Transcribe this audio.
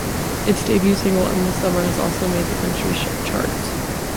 Its debut single, "Endless Summer", has also made the country charts.